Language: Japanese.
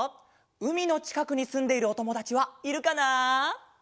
うみのちかくにすんでいるおともだちはいるかな？